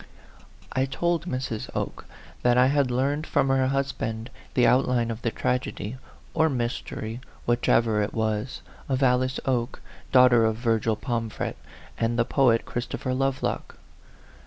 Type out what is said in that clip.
I told Mrs, Oke that I had learned from her husband the outline of the tragedy, or mystery, whichever it was, of Alice Oke, daughter of Virgil Pomfret, and the poet, Christopher Lovelock.